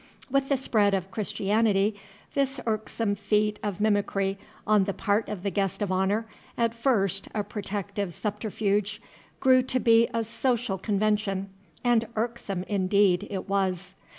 With the spread of Christianity, this irksome feat of mimicry on the part of the Guest of Honor, at first a protective subterfuge, grew to be a social convention. And irksome indeed it was.